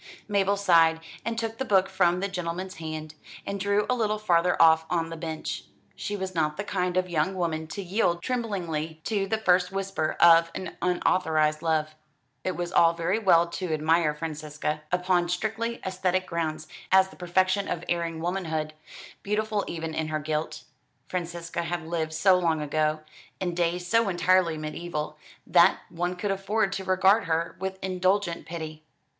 Mabel sighed, and took the book from the gentleman's hand, and drew a little farther off on the bench. She was not the kind of young woman to yield tremblingly to the first whisper of an unauthorised love. It was all very well to admire Francesca, upon strictly aesthetic grounds, as the perfection of erring womanhood, beautiful even in her guilt. Francesca had lived so long ago in days so entirely mediaeval, that one could afford to regard her with indulgent pity.